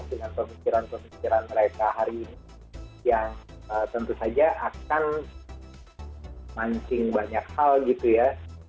dengan pemikiran pemikiran mereka hari ini yang tentu saja akan mancing banyak hal gitu ya